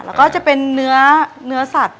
แล้วก็จะเป็นเนื้อสัตว์